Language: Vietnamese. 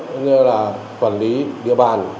rất như là quản lý địa bàn